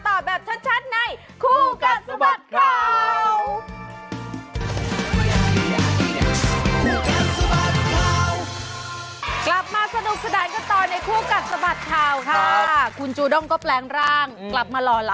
โอ๊ยจะเป็นใคร